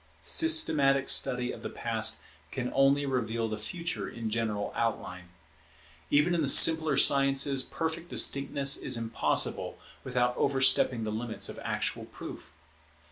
Systematic study of the Past can only reveal the Future in general outline. Even in the simpler sciences perfect distinctness is impossible without overstepping the limits of actual proof.